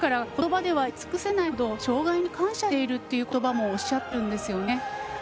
だから、言葉では言い尽くせないほど障がいに感謝しているという言葉もおっしゃっているんですね。